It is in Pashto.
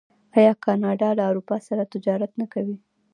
آیا کاناډا له اروپا سره تجارت نه کوي؟